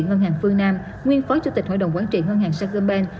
ngân hàng phương nam nguyên phó chủ tịch hội đồng quản trị ngân hàng sơn cơm bên